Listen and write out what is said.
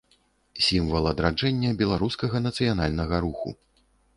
Сімвал адраджэння беларускага нацыянальнага руху.